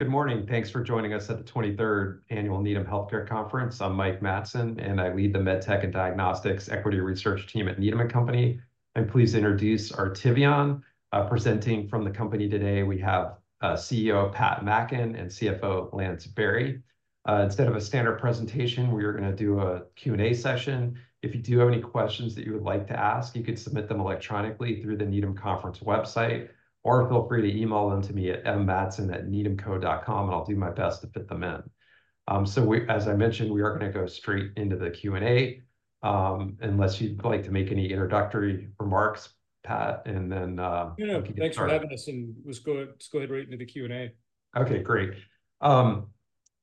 Good morning. Thanks for joining us at the 23rd Annual Needham Healthcare Conference. I'm Mike Matson, and I lead the MedTech and Diagnostics Equity Research Team at Needham & Company. I'm pleased to introduce Artivion. Presenting from the company today, we have CEO Pat Mackin and CFO Lance Berry. Instead of a standard presentation, we are going to do a Q&A session. If you do have any questions that you would like to ask, you could submit them electronically through the Needham Conference website, or feel free to email them to me at mmatson@needhamco.com, and I'll do my best to fit them in. So we, as I mentioned, we are going to go straight into the Q&A. Unless you'd like to make any introductory remarks, Pat, and then we can get started. Yeah. Thanks for having us, and let's go ahead right into the Q&A. Okay, great.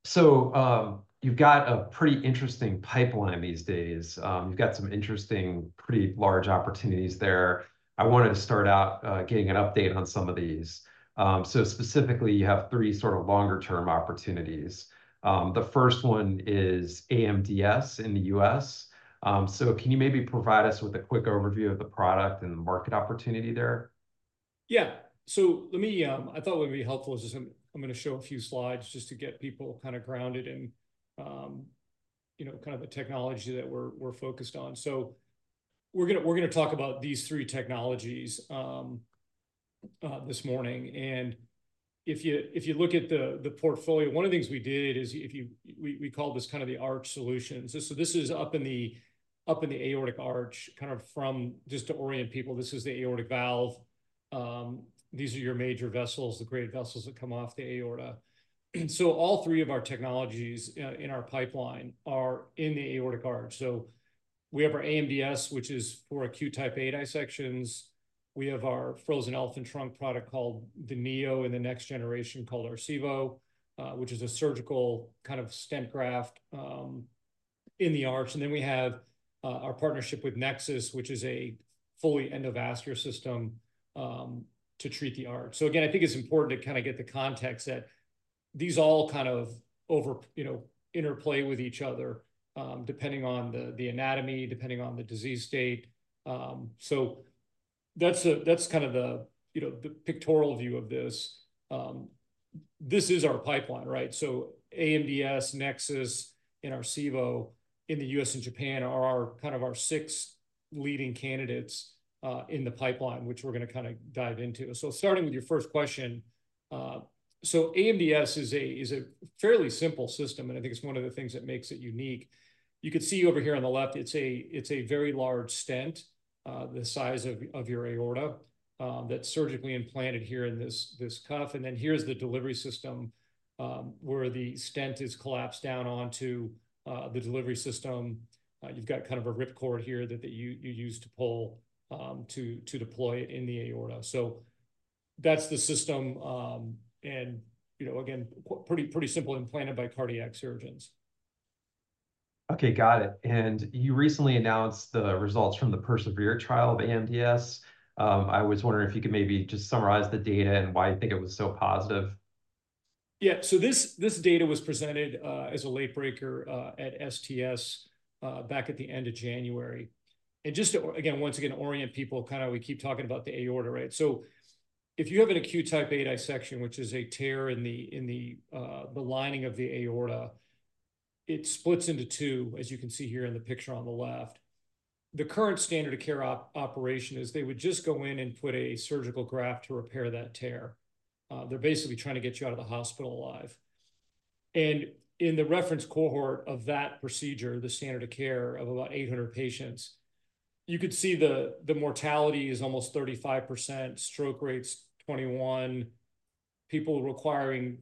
So you've got a pretty interesting pipeline these days. You've got some interesting, pretty large opportunities there. I wanted to start out getting an update on some of these. So specifically, you have three sort of longer-term opportunities. The first one is AMDS in the US. So can you maybe provide us with a quick overview of the product and the market opportunity there? Yeah. So let me. I thought what would be helpful is just I'm going to show a few slides just to get people kind of grounded in kind of the technology that we're focused on. So we're going to talk about these three technologies this morning. And if you look at the portfolio, one of the things we did is if you we call this kind of the arch solutions. So this is up in the aortic arch, kind of from just to orient people, this is the aortic valve. These are your major vessels, the great vessels that come off the aorta. So all three of our technologies in our pipeline are in the aortic arch. So we have our AMDS, which is for acute Type A dissections. We have our frozen elephant trunk product called the NEO and the next generation called Arcivo, which is a surgical kind of stent graft in the arch. And then we have our partnership with Nexus, which is a fully endovascular system to treat the arch. So again, I think it's important to kind of get the context that these all kind of interplay with each other depending on the anatomy, depending on the disease state. So that's kind of the pictorial view of this. This is our pipeline, right? So AMDS, Nexus, and Arcivo in the U.S. and Japan are kind of our six leading candidates in the pipeline, which we're going to kind of dive into. So starting with your first question, so AMDS is a fairly simple system, and I think it's one of the things that makes it unique. You can see over here on the left, it's a very large stent, the size of your aorta, that's surgically implanted here in this cuff. And then here's the delivery system where the stent is collapsed down onto the delivery system. You've got kind of a ripcord here that you use to pull to deploy it in the aorta. So that's the system. And again, pretty simple, implanted by cardiac surgeons. Okay, got it. You recently announced the results from the PERSEVERE trial of AMDS. I was wondering if you could maybe just summarize the data and why you think it was so positive? Yeah. So this data was presented as a late breaker at STS back at the end of January. And just to, again, once again, orient people, kind of we keep talking about the aorta, right? So if you have an acute Type A dissection, which is a tear in the lining of the aorta, it splits into two, as you can see here in the picture on the left. The current standard of care operation is they would just go in and put a surgical graft to repair that tear. They're basically trying to get you out of the hospital alive. And in the reference cohort of that procedure, the standard of care of about 800 patients, you could see the mortality is almost 35%, stroke rates 21%, people requiring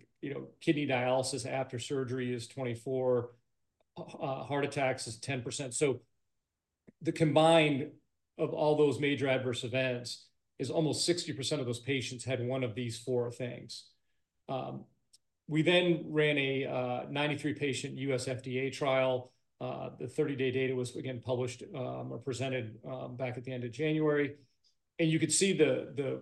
kidney dialysis after surgery is 24%, heart attacks is 10%. So the combined of all those major adverse events is almost 60% of those patients had one of these four things. We then ran a 93-patient U.S. FDA trial. The 30-day data was, again, published or presented back at the end of January. And you could see the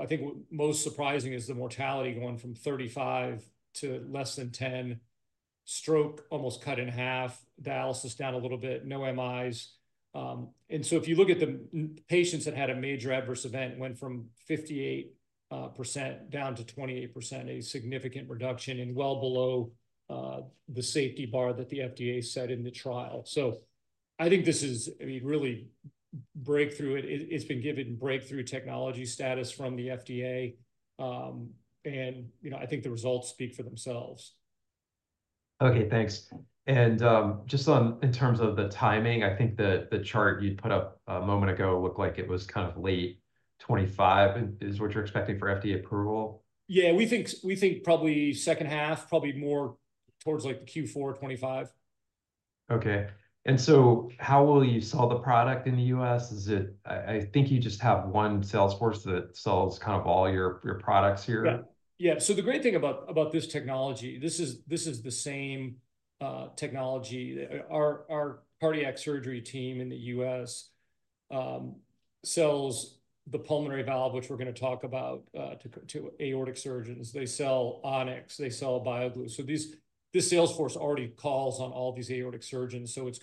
I think most surprising is the mortality going from 35% to less than 10%, stroke almost cut in half, dialysis down a little bit, no MIs. And so if you look at the patients that had a major adverse event, went from 58% down to 28%, a significant reduction and well below the safety bar that the FDA set in the trial. So I think this is, I mean, really breakthrough. It's been given breakthrough technology status from the FDA. And I think the results speak for themselves. Okay, thanks. And just in terms of the timing, I think the chart you put up a moment ago looked like it was kind of late. 25 is what you're expecting for FDA approval? Yeah, we think probably second half, probably more towards like the Q4 2025. Okay. And so how will you sell the product in the U.S.? Is it, I think, you just have one sales force that sells kind of all your products here. Yeah. Yeah. So the great thing about this technology, this is the same technology. Our cardiac surgery team in the US sells the pulmonary valve, which we're going to talk about, to aortic surgeons. They sell On-X. They sell BioGlue. So it's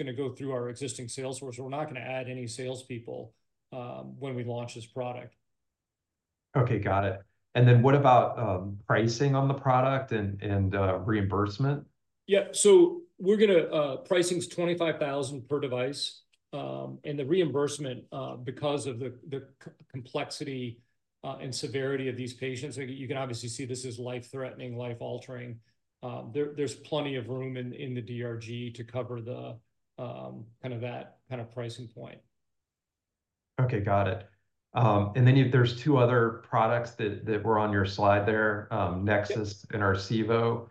going to go through our existing sales force. We're not going to add any salespeople when we launch this product. Okay, got it. And then what about pricing on the product and reimbursement? Yeah. So we're going to pricing is $25,000 per device. And the reimbursement, because of the complexity and severity of these patients, you can obviously see this is life-threatening, life-altering. There's plenty of room in the DRG to cover kind of that kind of pricing point. Okay, got it. And then there's two other products that were on your slide there, NEXUS and Arcivo.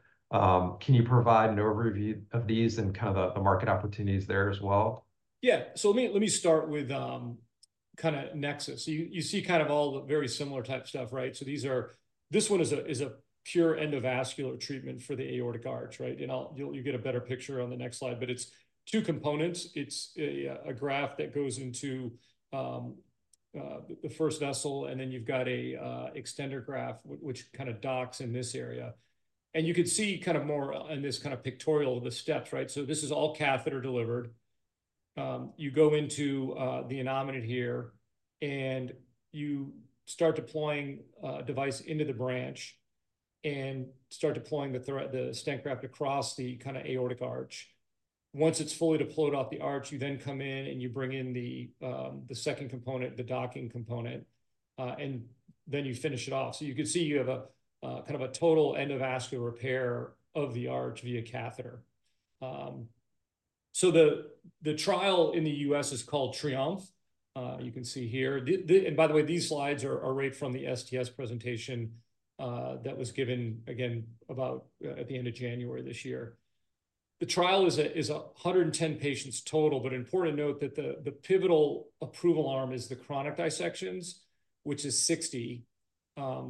Can you provide an overview of these and kind of the market opportunities there as well? Yeah. So let me start with kind of NEXUS. You see kind of all the very similar type stuff, right? So these are this one is a pure endovascular treatment for the aortic arch, right? And you'll get a better picture on the next slide. But it's two components. It's a graft that goes into the first vessel, and then you've got an extender graft, which kind of docks in this area. And you can see kind of more in this kind of pictorial of the steps, right? So this is all catheter delivered. You go into the innominate here, and you start deploying a device into the branch and start deploying the stent graft across the kind of aortic arch. Once it's fully deployed off the arch, you then come in and you bring in the second component, the docking component. And then you finish it off. So you can see you have a kind of a total endovascular repair of the arch via catheter. So the trial in the U.S. is called TRIOMPH. You can see here. And by the way, these slides are right from the STS presentation that was given, again, about at the end of January this year. The trial is 110 patients total. But important to note that the pivotal approval arm is the chronic dissections, which is 60.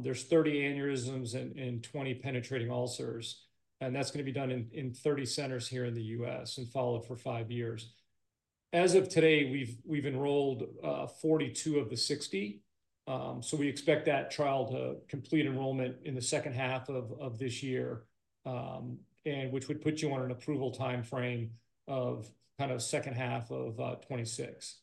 There's 30 aneurysms and 20 penetrating ulcers. And that's going to be done in 30 centers here in the U.S. and followed for 5 years. As of today, we've enrolled 42 of the 60. So we expect that trial to complete enrollment in the second half of this year, which would put you on an approval time frame of kind of second half of 2026.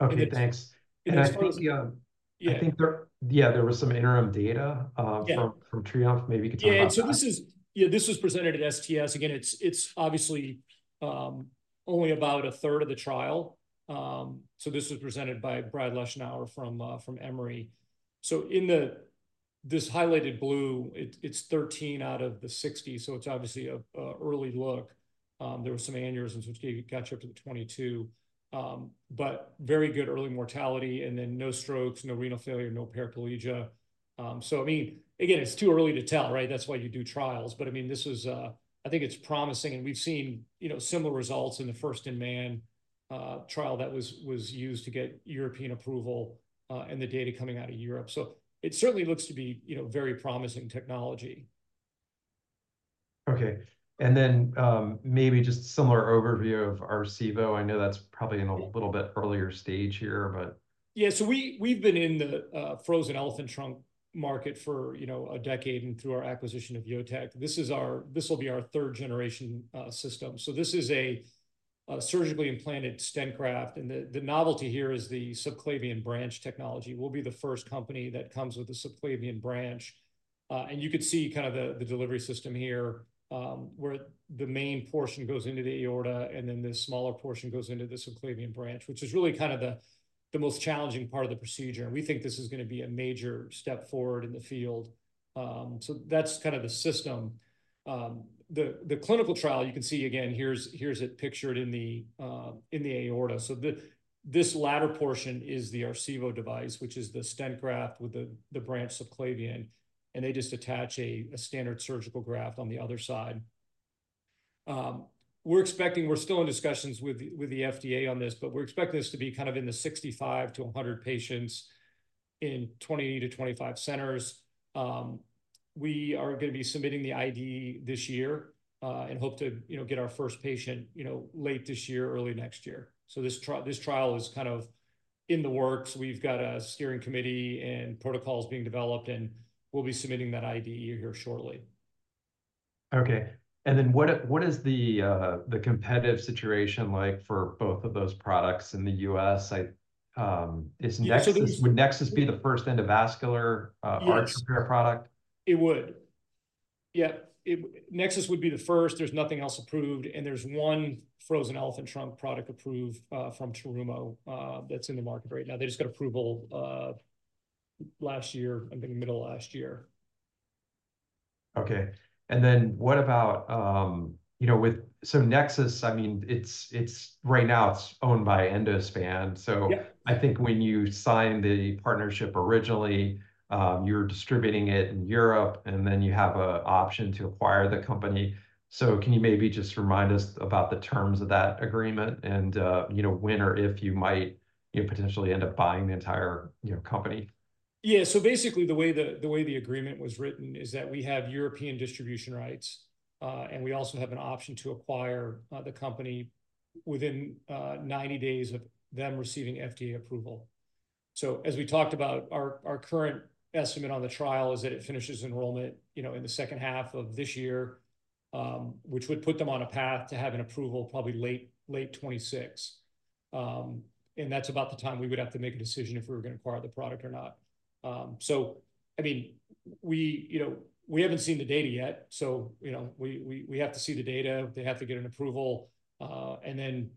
Okay, thanks. And I suppose I think there was some interim data from TRIOMPH. Maybe you could talk about that. Yeah. So this was presented at STS. Again, it's obviously only about a third of the trial. So this was presented by Brad Leshnower from Emory. So in this highlighted blue, it's 13 out of the 60. So it's obviously an early look. There were some aneurysms, which got you up to the 22. But very good early mortality and then no strokes, no renal failure, no paraplegia. So I mean, again, it's too early to tell, right? That's why you do trials. But I mean, this was I think it's promising. And we've seen similar results in the first-in-man trial that was used to get European approval and the data coming out of Europe. So it certainly looks to be very promising technology. Okay. And then maybe just a similar overview of Arcivo. I know that's probably in a little bit earlier stage here, but. Yeah. So we've been in the frozen elephant trunk market for a decade and through our acquisition of JOTEC. This will be our third-generation system. So this is a surgically implanted stent graft. And the novelty here is the subclavian branch technology. We'll be the first company that comes with the subclavian branch. And you could see kind of the delivery system here where the main portion goes into the aorta, and then this smaller portion goes into the subclavian branch, which is really kind of the most challenging part of the procedure. And we think this is going to be a major step forward in the field. So that's kind of the system. The clinical trial, you can see again, here's it pictured in the aorta. So this latter portion is the Arcivo device, which is the stent graft with the branch subclavian. They just attach a standard surgical graft on the other side. We're expecting. We're still in discussions with the FDA on this, but we're expecting this to be kind of in the 65-100 patients in 20-25 centers. We are going to be submitting the IDE this year and hope to get our first patient late this year, early next year. This trial is kind of in the works. We've got a steering committee and protocols being developed, and we'll be submitting that IDE here shortly. Okay. And then what is the competitive situation like for both of those products in the U.S.? Would NEXUS be the first endovascular arch repair product? It would. Yeah. NEXUS would be the first. There's nothing else approved. And there's one frozen elephant trunk product approved from Terumo that's in the market right now. They just got approval last year, I think middle of last year. Okay. What about with the NEXUS? I mean, right now, it's owned by Endospan. So, I think when you signed the partnership originally, you were distributing it in Europe, and then you have an option to acquire the company. So, can you maybe just remind us about the terms of that agreement and when or if you might potentially end up buying the entire company? Yeah. So basically, the way the agreement was written is that we have European distribution rights, and we also have an option to acquire the company within 90 days of them receiving FDA approval. So as we talked about, our current estimate on the trial is that it finishes enrollment in the second half of this year, which would put them on a path to having approval probably late 2026. And that's about the time we would have to make a decision if we were going to acquire the product or not. So I mean, we haven't seen the data yet. So we have to see the data. They have to get an approval. And then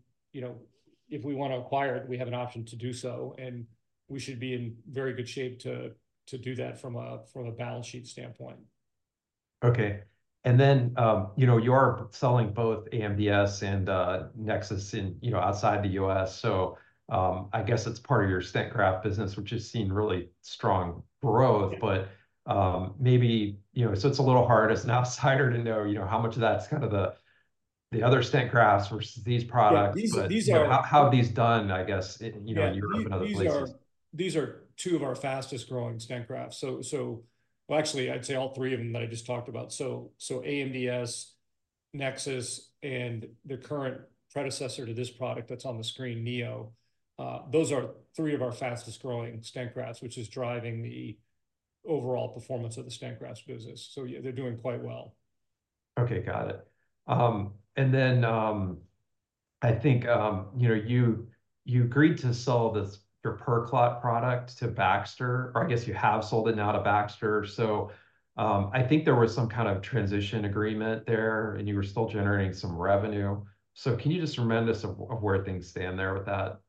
if we want to acquire it, we have an option to do so. And we should be in very good shape to do that from a balance sheet standpoint. Okay. And then you are selling both AMDS and NEXUS outside the U.S. So I guess it's part of your stent graft business, which has seen really strong growth. But maybe so it's a little hard as an outsider to know how much of that's kind of the other stent grafts versus these products. How have these done, I guess, in Europe and other places? These are two of our fastest growing stent grafts. So actually, I'd say all three of them that I just talked about. So AMDS, NEXUS, and the current predecessor to this product that's on the screen, NEO, those are three of our fastest growing stent grafts, which is driving the overall performance of the stent graft business. So they're doing quite well. Okay, got it. Then I think you agreed to sell this PerClot product to Baxter, or I guess you have sold it now to Baxter. I think there was some kind of transition agreement there, and you were still generating some revenue. Can you just remind us of where things stand there with that?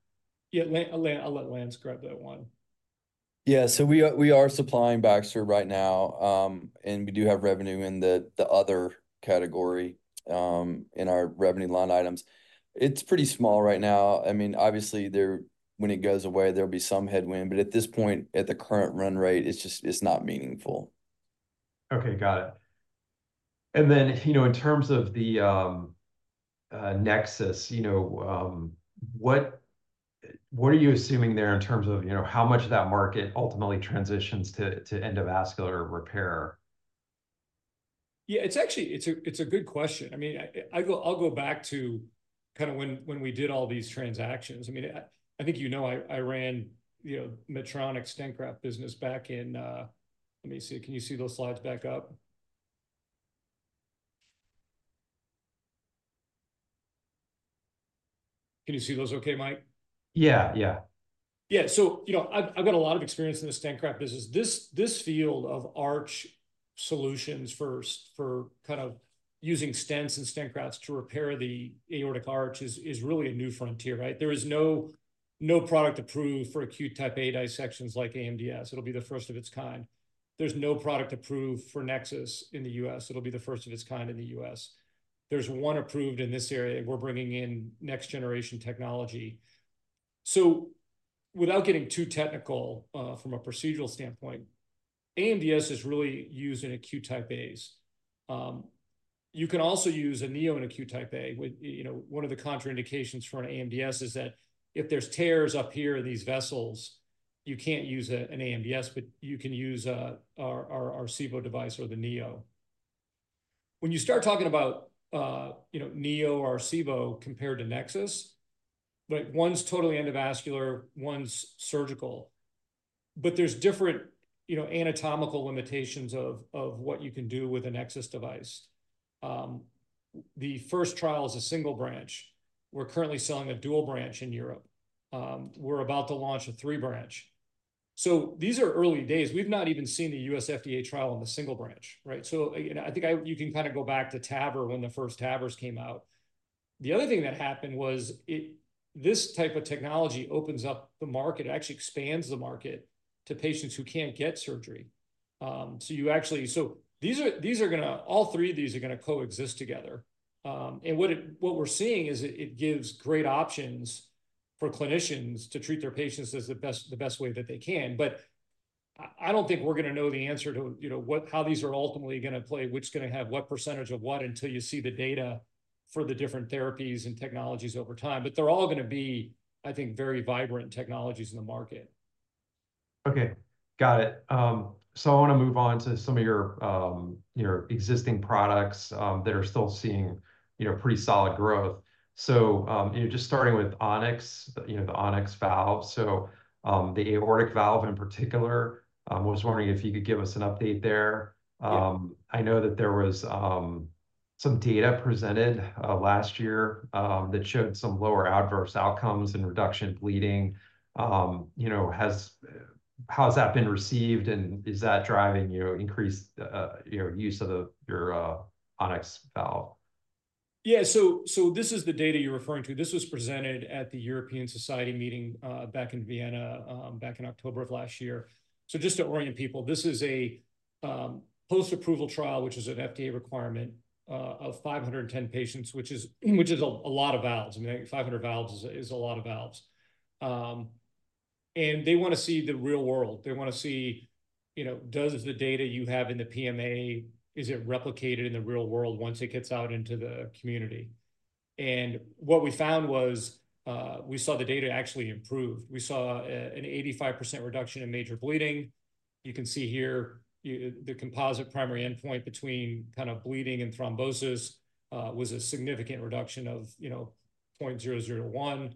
Yeah. I'll let Lance grab that one. Yeah. So we are supplying Baxter right now, and we do have revenue in the other category in our revenue line items. It's pretty small right now. I mean, obviously, when it goes away, there'll be some headwind. But at this point, at the current run rate, it's not meaningful. Okay, got it. And then in terms of the NEXUS, what are you assuming there in terms of how much of that market ultimately transitions to endovascular repair? Yeah. It's a good question. I mean, I'll go back to kind of when we did all these transactions. I mean, I think you know I ran Medtronic stent graft business back in let me see. Can you see those slides back up? Can you see those okay, Mike? Yeah. Yeah. Yeah. So I've got a lot of experience in the stent graft business. This field of arch solutions for kind of using stents and stent grafts to repair the aortic arch is really a new frontier, right? There is no product approved for acute type A dissections like AMDS. It'll be the first of its kind. There's no product approved for NEXUS in the US. It'll be the first of its kind in the US. There's one approved in this area. We're bringing in next-generation technology. So without getting too technical from a procedural standpoint, AMDS is really used in acute type As. You can also use a Neo in acute type A. One of the contraindications for an AMDS is that if there's tears up here in these vessels, you can't use an AMDS, but you can use our Arcivo device or the Neo. When you start talking about NEO or Arcivo compared to NEXUS, one's totally endovascular, one's surgical. But there's different anatomical limitations of what you can do with a NEXUS device. The first trial is a single branch. We're currently selling a dual branch in Europe. We're about to launch a three-branch. So these are early days. We've not even seen the U.S. FDA trial on the single branch, right? So I think you can kind of go back to TAVR when the first TAVRs came out. The other thing that happened was this type of technology opens up the market, actually expands the market to patients who can't get surgery. So these are going to all three of these are going to coexist together. And what we're seeing is it gives great options for clinicians to treat their patients as the best way that they can. I don't think we're going to know the answer to how these are ultimately going to play, which is going to have what percentage of what until you see the data for the different therapies and technologies over time. They're all going to be, I think, very vibrant technologies in the market. Okay, got it. I want to move on to some of your existing products that are still seeing pretty solid growth. Just starting with On-X, the On-X valve. The aortic valve in particular, I was wondering if you could give us an update there. I know that there was some data presented last year that showed some lower adverse outcomes and reduction in bleeding. How has that been received, and is that driving increased use of your On-X valve? Yeah. So this is the data you're referring to. This was presented at the European Society meeting back in Vienna back in October of last year. So just to orient people, this is a post-approval trial, which is an FDA requirement of 510 patients, which is a lot of valves. I mean, 500 valves is a lot of valves. They want to see the real world. They want to see, does the data you have in the PMA, is it replicated in the real world once it gets out into the community? What we found was we saw the data actually improved. We saw an 85% reduction in major bleeding. You can see here, the composite primary endpoint between kind of bleeding and thrombosis was a significant reduction of 0.001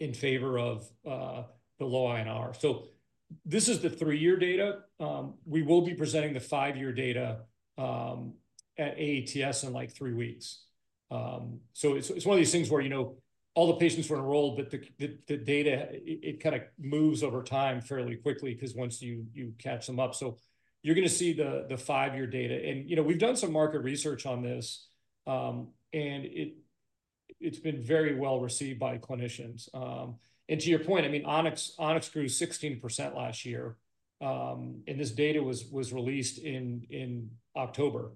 in favor of the low INR. So this is the 3-year data. We will be presenting the five-year data at AATS in like three weeks. So it's one of these things where all the patients were enrolled, but the data, it kind of moves over time fairly quickly because once you catch them up. So you're going to see the five-year data. And we've done some market research on this, and it's been very well received by clinicians. And to your point, I mean, On-X grew 16% last year, and this data was released in October.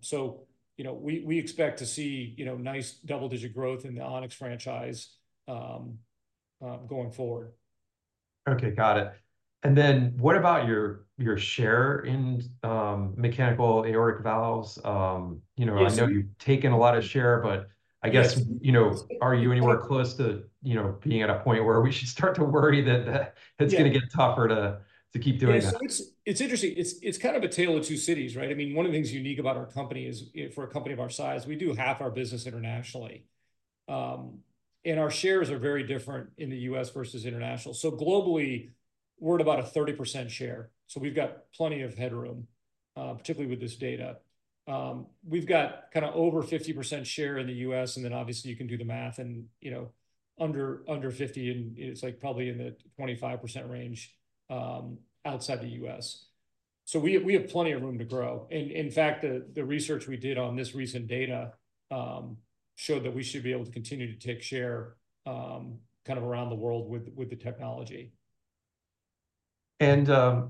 So we expect to see nice double-digit growth in the On-X franchise going forward. Okay, got it. And then what about your share in mechanical aortic valves? I know you've taken a lot of share, but I guess, are you anywhere close to being at a point where we should start to worry that it's going to get tougher to keep doing that? Yeah. So it's interesting. It's kind of a tale of two cities, right? I mean, one of the things unique about our company is for a company of our size, we do half our business internationally. Our shares are very different in the U.S. versus international. So globally, we're at about a 30% share. So we've got plenty of headroom, particularly with this data. We've got kind of over 50% share in the U.S. And then obviously, you can do the math, and under 50%, it's probably in the 25% range outside the U.S. So we have plenty of room to grow. And in fact, the research we did on this recent data showed that we should be able to continue to take share kind of around the world with the technology.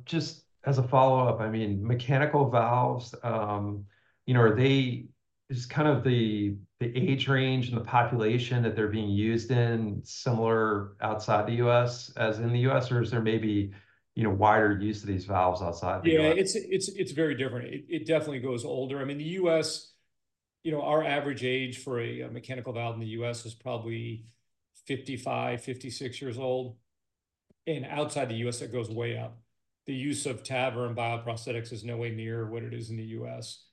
Just as a follow-up, I mean, mechanical valves, are they just kind of the age range and the population that they're being used in similar outside the U.S. as in the U.S., or is there maybe wider use of these valves outside the U.S.? Yeah. It's very different. It definitely goes older. I mean, the US, our average age for a mechanical valve in the US is probably 55, 56 years old. And outside the US, that goes way up. The use of TAVR and bioprosthetics is nowhere near what it is in the US.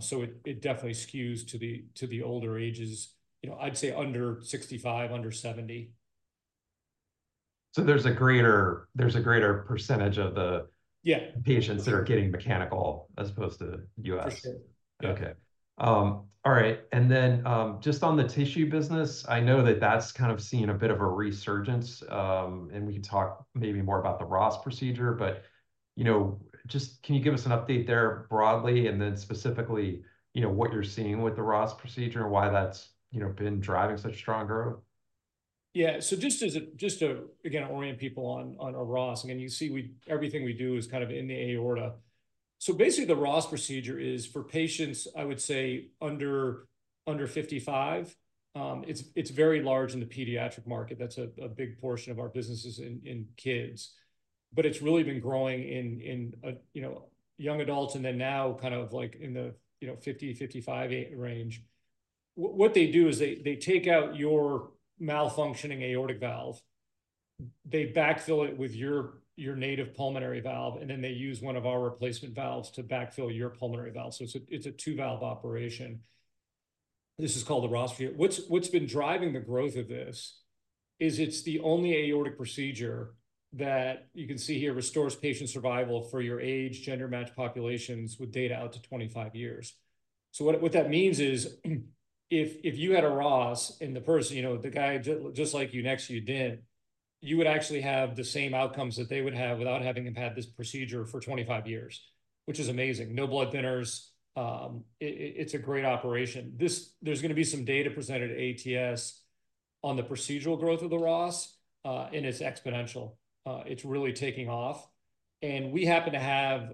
So it definitely skews to the older ages, I'd say under 65, under 70. So there's a greater percentage of the patients that are getting mechanical as opposed to us? For sure. Okay. All right. And then just on the tissue business, I know that that's kind of seen a bit of a resurgence. And we can talk maybe more about the Ross procedure. But just can you give us an update there broadly and then specifically what you're seeing with the Ross procedure and why that's been driving such strong growth? Yeah. So just to, again, orient people on our Ross, again, you see everything we do is kind of in the aorta. So basically, the Ross procedure is for patients, I would say, under 55. It's very large in the pediatric market. That's a big portion of our business is in kids. But it's really been growing in young adults and then now kind of in the 50-55 range. What they do is they take out your malfunctioning aortic valve. They backfill it with your native pulmonary valve, and then they use one of our replacement valves to backfill your pulmonary valve. So it's a two-valve operation. This is called the Ross procedure. What's been driving the growth of this is it's the only aortic procedure that you can see here restores patient survival for your age, gender-matched populations with data out to 25 years. So what that means is if you had a Ross and the person, the guy just like you, next to you, didn't, you would actually have the same outcomes that they would have without having had this procedure for 25 years, which is amazing. No blood thinners. It's a great operation. There's going to be some data presented at AATS on the procedural growth of the Ross, and it's exponential. It's really taking off. And we happen to have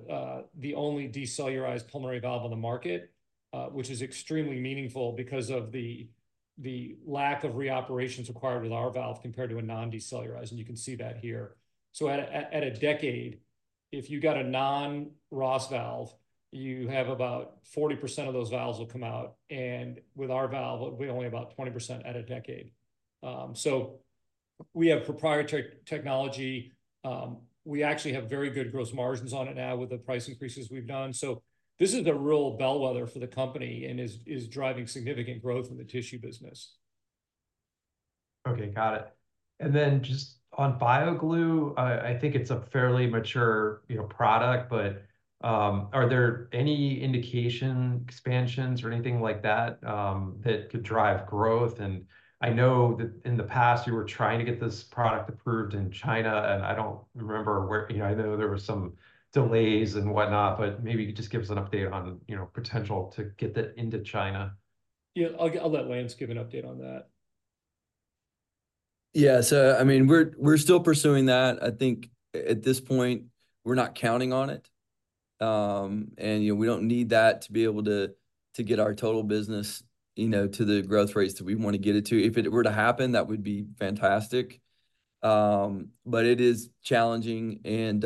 the only decellularized pulmonary valve on the market, which is extremely meaningful because of the lack of reoperations required with our valve compared to a non-decellularized. And you can see that here. So at a decade, if you got a non-Ross valve, you have about 40% of those valves will come out. And with our valve, we only have about 20% at a decade. So we have proprietary technology. We actually have very good gross margins on it now with the price increases we've done. So this is a real bellwether for the company and is driving significant growth in the tissue business. Okay, got it. And then just on BioGlue, I think it's a fairly mature product, but are there any indication, expansions, or anything like that that could drive growth? And I know that in the past, you were trying to get this product approved in China, and I don't remember where. I know there were some delays and whatnot, but maybe you could just give us an update on potential to get that into China. Yeah. I'll let Lance give an update on that. Yeah. So I mean, we're still pursuing that. I think at this point, we're not counting on it. And we don't need that to be able to get our total business to the growth rates that we want to get it to. If it were to happen, that would be fantastic. But it is challenging and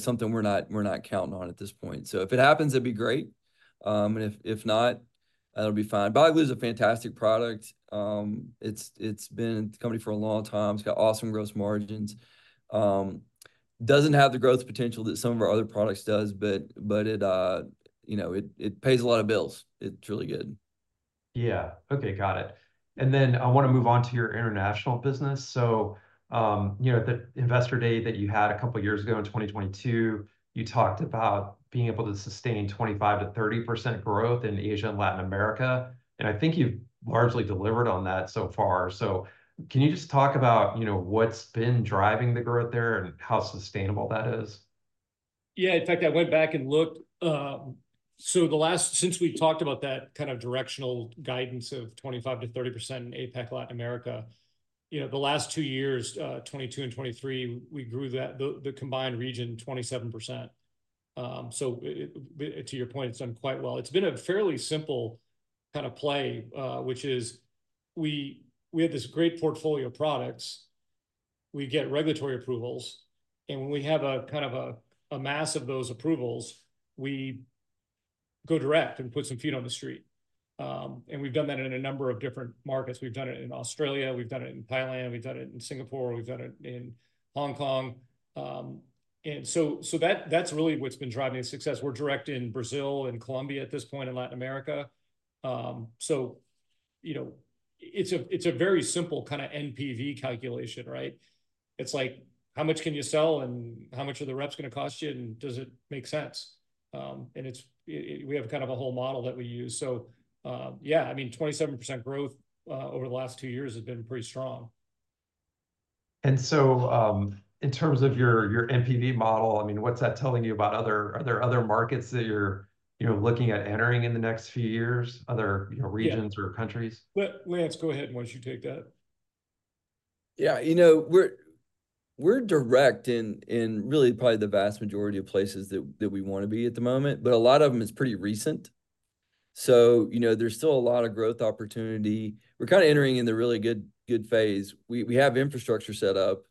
something we're not counting on at this point. So if it happens, it'd be great. And if not, that'll be fine. BioGlue is a fantastic product. It's been a company for a long time. It's got awesome gross margins. Doesn't have the growth potential that some of our other products does, but it pays a lot of bills. It's really good. Yeah. Okay, got it. And then I want to move on to your international business. So at the Investor Day that you had a couple of years ago in 2022, you talked about being able to sustain 25%-30% growth in Asia and Latin America. And I think you've largely delivered on that so far. So can you just talk about what's been driving the growth there and how sustainable that is? Yeah. In fact, I went back and looked. So since we've talked about that kind of directional guidance of 25%-30% in APAC Latin America, the last two years, 2022 and 2023, we grew the combined region 27%. So to your point, it's done quite well. It's been a fairly simple kind of play, which is we have this great portfolio of products. We get regulatory approvals. And when we have kind of a mass of those approvals, we go direct and put some feet on the street. And we've done that in a number of different markets. We've done it in Australia. We've done it in Thailand. We've done it in Singapore. We've done it in Hong Kong. And so that's really what's been driving the success. We're direct in Brazil and Colombia at this point in Latin America. So it's a very simple kind of NPV calculation, right? It's like, how much can you sell, and how much are the reps going to cost you, and does it make sense? And we have kind of a whole model that we use. So yeah, I mean, 27% growth over the last two years has been pretty strong. In terms of your NPV model, I mean, what's that telling you about other are there other markets that you're looking at entering in the next few years, other regions or countries? Lance, go ahead once you take that. Yeah. We're direct in really probably the vast majority of places that we want to be at the moment, but a lot of them is pretty recent. So there's still a lot of growth opportunity. We're kind of entering in the really good phase. We have infrastructure set up.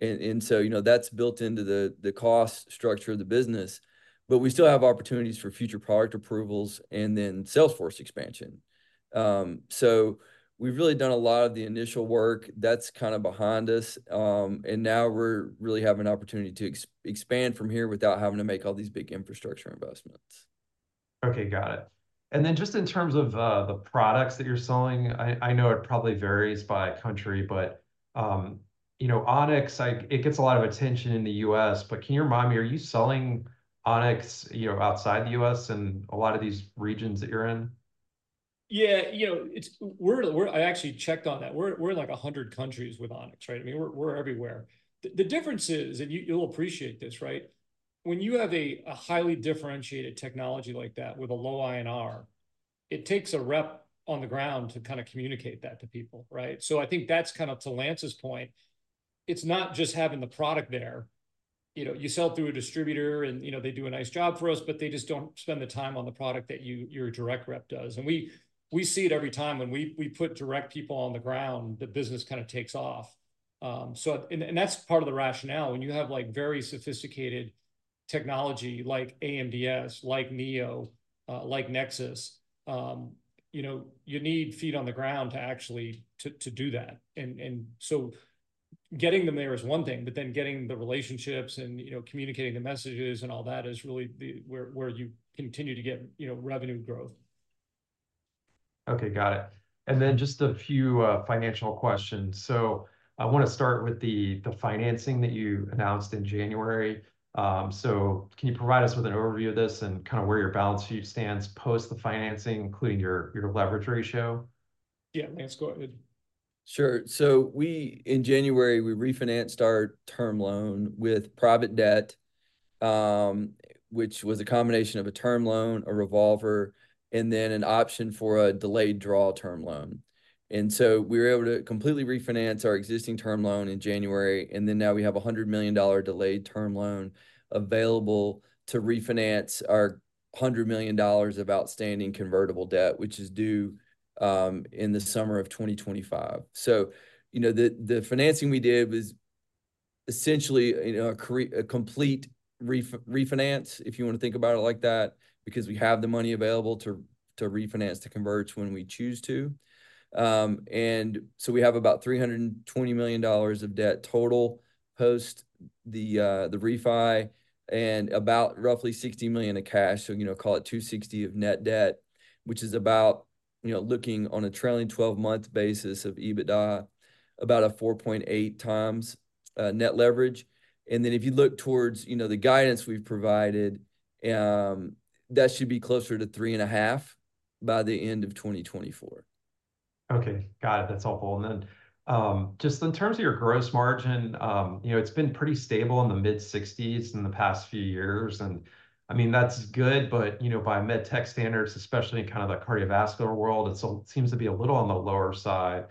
And so that's built into the cost structure of the business. But we still have opportunities for future product approvals and then sales force expansion. So we've really done a lot of the initial work that's kind of behind us. And now we're really having an opportunity to expand from here without having to make all these big infrastructure investments. Okay, got it. And then just in terms of the products that you're selling, I know it probably varies by country, but On-X, it gets a lot of attention in the U.S. But can you remind me, are you selling On-X outside the U.S. in a lot of these regions that you're in? Yeah. I actually checked on that. We're in like 100 countries with On-X, right? I mean, we're everywhere. The difference is, and you'll appreciate this, right? When you have a highly differentiated technology like that with a low INR, it takes a rep on the ground to kind of communicate that to people, right? So I think that's kind of, to Lance's point, it's not just having the product there. You sell through a distributor, and they do a nice job for us, but they just don't spend the time on the product that your direct rep does. And we see it every time when we put direct people on the ground, the business kind of takes off. And that's part of the rationale. When you have very sophisticated technology like AMDS, like NEO, like NEXUS, you need feet on the ground to actually do that. And so getting them there is one thing, but then getting the relationships and communicating the messages and all that is really where you continue to get revenue growth. Okay, got it. And then just a few financial questions. I want to start with the financing that you announced in January. Can you provide us with an overview of this and kind of where your balance sheet stands post the financing, including your leverage ratio? Yeah. Lance, go ahead. Sure. So in January, we refinanced our term loan with private debt, which was a combination of a term loan, a revolver, and then an option for a delayed draw term loan. And so we were able to completely refinance our existing term loan in January. And then now we have a $100 million delayed term loan available to refinance our $100 million of outstanding convertible debt, which is due in the summer of 2025. So the financing we did was essentially a complete refinance, if you want to think about it like that, because we have the money available to refinance, to convert when we choose to. And so we have about $320 million of debt total post the refi and about roughly $60 million of cash. Call it $260 million of net debt, which is about looking on a trailing 12-month basis of EBITDA, about a 4.8x net leverage. Then if you look toward the guidance we've provided, that should be closer to 3.5 by the end of 2024. Okay, got it. That's helpful. And then just in terms of your gross margin, it's been pretty stable in the mid-60s in the past few years. And I mean, that's good. But by med-tech standards, especially in kind of the cardiovascular world, it seems to be a little on the lower side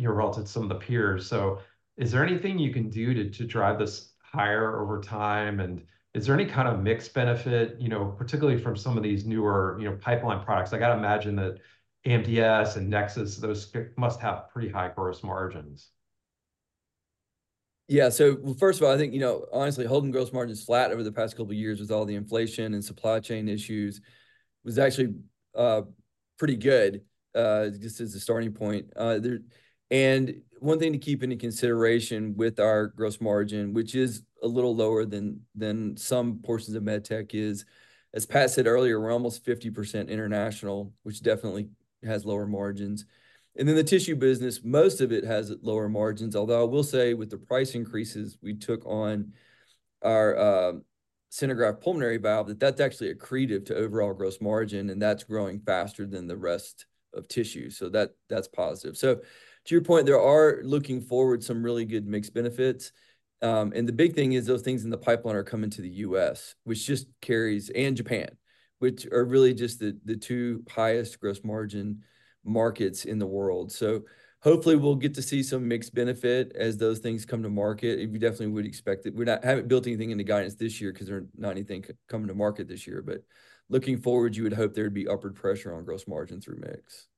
relative to some of the peers. So is there anything you can do to drive this higher over time? And is there any kind of mixed benefit, particularly from some of these newer pipeline products? I got to imagine that AMDS and NEXUS, those must have pretty high gross margins. Yeah. So first of all, I think honestly, holding gross margins flat over the past couple of years with all the inflation and supply chain issues was actually pretty good just as a starting point. And one thing to keep into consideration with our gross margin, which is a little lower than some portions of med-tech is, as Pat said earlier, we're almost 50% international, which definitely has lower margins. And then the tissue business, most of it has lower margins. Although I will say with the price increases we took on our SynerGraft pulmonary valve, that that's actually accretive to overall gross margin, and that's growing faster than the rest of tissue. So to your point, there are looking forward some really good mixed benefits. The big thing is those things in the pipeline are coming to the U.S. and Japan, which are really just the two highest gross margin markets in the world. Hopefully, we'll get to see some mixed benefit as those things come to market. We definitely would expect it. We haven't built anything into guidance this year because there's not anything coming to market this year. Looking forward, you would hope there would be upward pressure on gross margin through mix.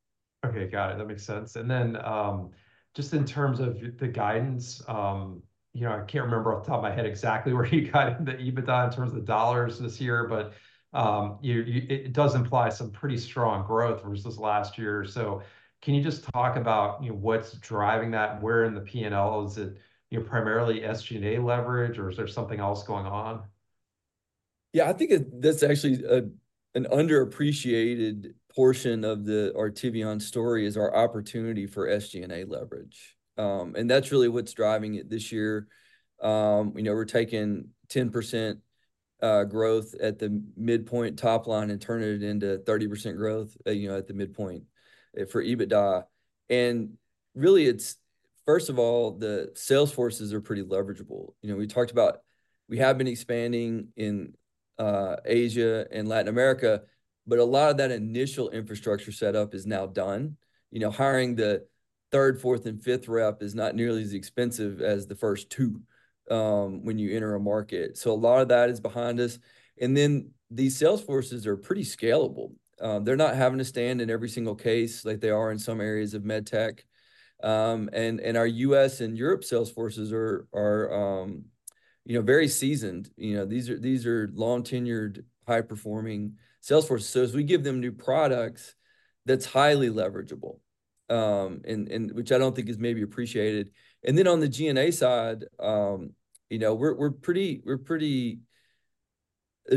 Okay, got it. That makes sense. And then just in terms of the guidance, I can't remember off the top of my head exactly where you got in the EBITDA in terms of the dollars this year, but it does imply some pretty strong growth versus last year. So can you just talk about what's driving that? Where in the P&L? Is it primarily SG&A leverage, or is there something else going on? Yeah. I think that's actually an underappreciated portion of the Artivion story is our opportunity for SG&A leverage. And that's really what's driving it this year. We're taking 10% growth at the midpoint top line and turning it into 30% growth at the midpoint for EBITDA. And really, first of all, the sales forces are pretty leverageable. We talked about we have been expanding in Asia and Latin America, but a lot of that initial infrastructure setup is now done. Hiring the third, fourth, and fifth rep is not nearly as expensive as the first two when you enter a market. So a lot of that is behind us. And then these sales forces are pretty scalable. They're not having to stand in every single case like they are in some areas of med-tech. And our U.S. and Europe sales forces are very seasoned. These are long-tenured, high-performing sales forces. As we give them new products, that's highly leverageable, which I don't think is maybe appreciated. Then on the G&A side, there's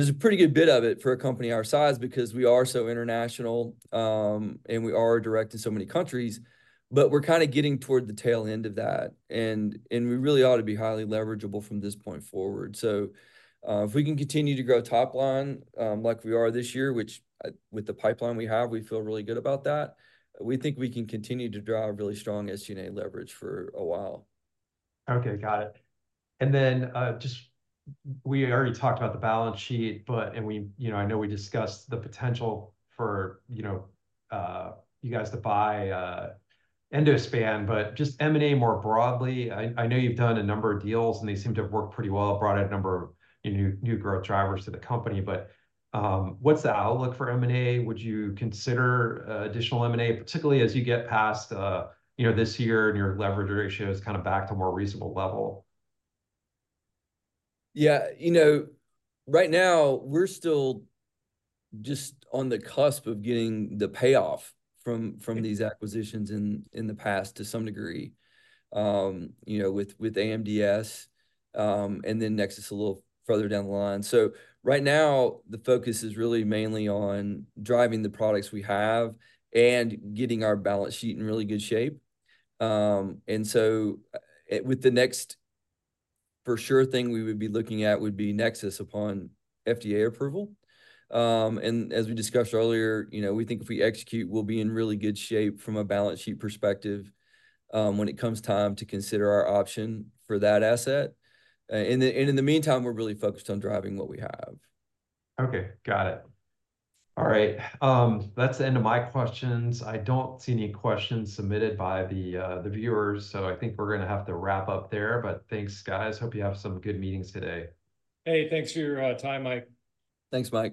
a pretty good bit of it for a company our size because we are so international and we are direct in so many countries. But we're kind of getting toward the tail end of that. We really ought to be highly leverageable from this point forward. If we can continue to grow top line like we are this year, which with the pipeline we have, we feel really good about that, we think we can continue to drive really strong SG&A leverage for a while. Okay, got it. And then we already talked about the balance sheet, and I know we discussed the potential for you guys to buy Endospan, but just M&A more broadly. I know you've done a number of deals, and they seem to have worked pretty well, brought in a number of new growth drivers to the company. But what's the outlook for M&A? Would you consider additional M&A, particularly as you get past this year and your leverage ratio is kind of back to a more reasonable level? Yeah. Right now, we're still just on the cusp of getting the payoff from these acquisitions in the past to some degree with AMDS and then Nexus a little further down the line. So right now, the focus is really mainly on driving the products we have and getting our balance sheet in really good shape. And so with the next for sure thing we would be looking at would be Nexus upon FDA approval. And as we discussed earlier, we think if we execute, we'll be in really good shape from a balance sheet perspective when it comes time to consider our option for that asset. And in the meantime, we're really focused on driving what we have. Okay, got it. All right. That's the end of my questions. I don't see any questions submitted by the viewers. So I think we're going to have to wrap up there. But thanks, guys. Hope you have some good meetings today. Hey, thanks for your time, Mike. Thanks, Mike.